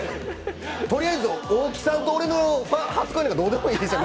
とりあえず、大木さんと俺の初恋なんてどうでもいいでしょ？